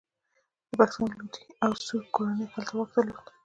د پښتنو لودي او سور کورنیو هلته واک درلود.